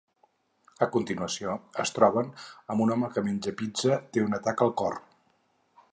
A continuació, es troben amb un home que menja pizza té un atac al cor.